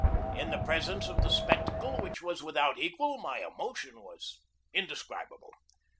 In the presence of the spectacle, which was without equal, my emotion was indescribable.